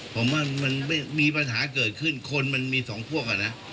ผมว่ามันไม่มีปัญหาเกิดขึ้นคนมันมีสองพวกอ่ะนะ